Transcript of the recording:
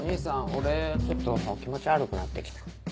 俺ちょっと気持ち悪くなってきた。